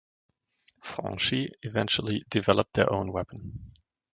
Franchi eventually developed their own weapon.